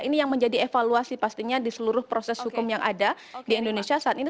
ini yang menjadi evaluasi pastinya di seluruh proses hukum yang ada di indonesia saat ini